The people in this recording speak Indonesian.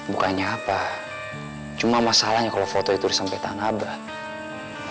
bukannya apa cuma masalahnya kalau foto itu sampe ke tangan abah